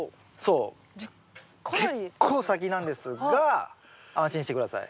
結構先なんですが安心して下さい。